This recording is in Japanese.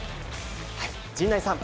陣内さん。